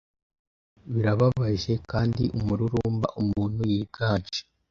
Birababaje kandiumururumbaumuntu yiganje